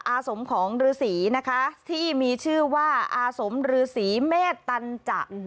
อาสมของฤษีนะคะที่มีชื่อว่าอาสมฤษีเมษตันจะ